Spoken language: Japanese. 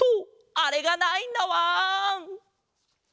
あれがないんだわん！